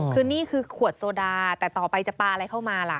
คือนี่คือขวดโซดาแต่ต่อไปจะปลาอะไรเข้ามาล่ะ